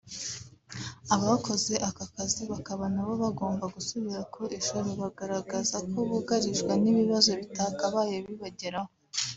abakoze aka kazi bakaba nabo bagomba gusubira ku ishuri; baragaragaza ko bugarijwe n’ibibazo bitakabaye bibageraho